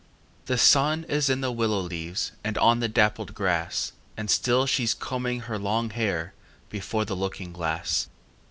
The sun is in the willow leaves And on the dapplled grass, And still she's combing her long hair Before the looking glass.